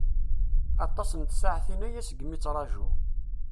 Aṭas n tsaɛtin-aya seg mi i ttṛajuɣ.